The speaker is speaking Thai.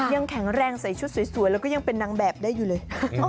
ยังแข็งแรงใส่ชุดสวยแล้วก็ยังเป็นนางแบบได้อยู่เลย